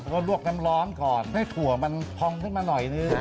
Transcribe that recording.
ก็ลวกน้ำร้อนก่อนให้ถั่วมันพองขึ้นมาหน่อยนึง